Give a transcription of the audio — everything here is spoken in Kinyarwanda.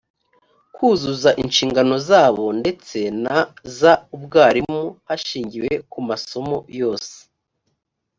kuzuza inshingano zabo ndetse na zaubwarimu hashingiwe ku masomo yose